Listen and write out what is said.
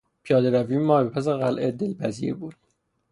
پیاده روی ما به پس قلعه دلپذیر بود.